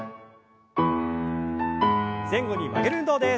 前後に曲げる運動です。